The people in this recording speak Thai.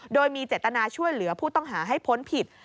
โดยมีเจตนาช่วยเหลือผู้ต้องหาให้พ้นผิด